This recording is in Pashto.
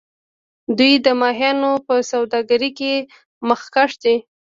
دوی د ماهیانو په سوداګرۍ کې مخکښ دي.